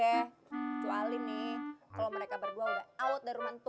kecuali nih kalau mereka berdua udah out dari rumah